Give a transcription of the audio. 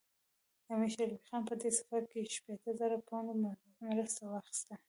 امیر شېر علي خان په دې سفر کې شپېته زره پونډه مرسته واخیسته.